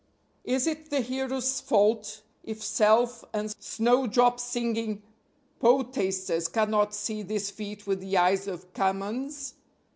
(Is it the hero's fault if self and snowdrop singing poetasters cannot see this feat with the eyes of Camoens?)